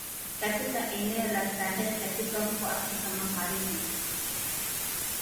Katika eneo la Sahel kati huko Afrika magharibi